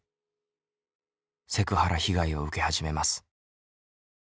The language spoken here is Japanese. セクハラ被害を受け始めます。